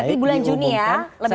berarti bulan juni ya